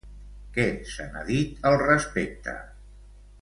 Què se n'ha dit al respecte?